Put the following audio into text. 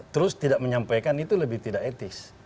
terus tidak menyampaikan itu lebih tidak etis